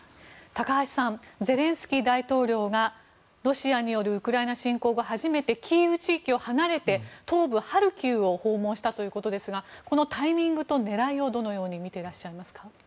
高橋さんゼレンスキー大統領がロシアによるウクライナ侵攻後初めてキーウ地域を離れて東部ハルキウを訪問したということですがこのタイミングと狙いはどのようにみていらっしゃいますか？